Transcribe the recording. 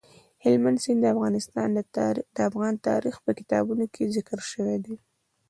هلمند سیند د افغان تاریخ په کتابونو کې ذکر شوی دي.